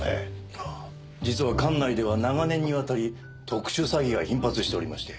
あぁ実は管内では長年にわたり特殊詐欺が頻発しておりまして。